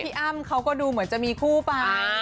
อ้ำเขาก็ดูเหมือนจะมีคู่ไป